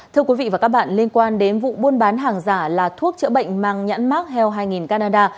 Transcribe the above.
thưa quý vị và các bạn liên quan đến vụ buôn bán hàng giả là thuốc chữa bệnh mang nhãn mark heal hai canada